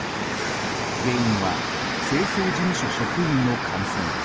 原因は清掃事務所職員の感染です。